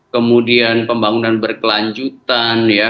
kemudian pembangunan berkelanjutan ya